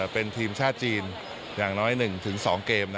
เป็นทีมชาติจีนอย่างน้อย๑๒เกม